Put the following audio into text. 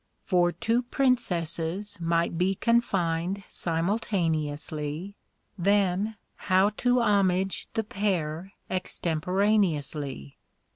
For two Princesses might be confined simultaneously Then, how to homage the pair extemporaneously?